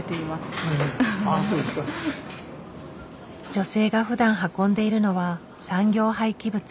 女性がふだん運んでいるのは産業廃棄物。